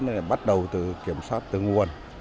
thì bắt đầu từ kiểm soát tương nguồn